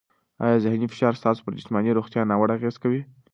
آیا ذهني فشار ستاسو پر جسماني روغتیا ناوړه اغېزه کوي؟